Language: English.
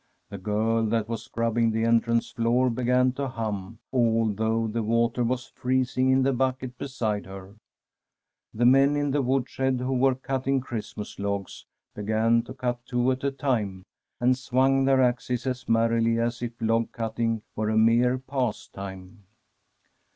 The girl that was scrubbing the entrance floor began to hum, al though the water was freezing in the bucket beside her. The men in the wood shed who were cutting Christmas logs began to cut two at a time, and swung their axes as merrily as if log cutting were a mere pastime.